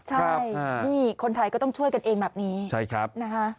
ใช่นี่คนไทยก็ต้องช่วยกันเองแบบนี้ใช่ครับนะคะ